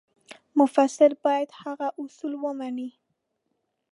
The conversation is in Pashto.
مفسر باید هغه اصول ومني.